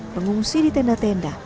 mengungsi di tenda tenda